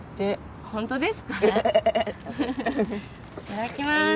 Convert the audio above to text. いただきます。